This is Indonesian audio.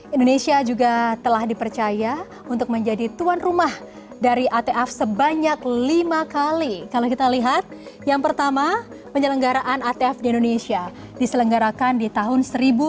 indonesia juga telah dipercaya untuk menjadi tuan rumah dari atf sebanyak lima kali kalau kita lihat yang pertama penyelenggaraan atf di indonesia diselenggarakan di tahun seribu sembilan ratus sembilan puluh dua